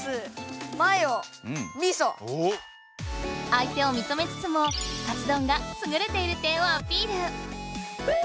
相手を認めつつもカツ丼がすぐれている点をアピール！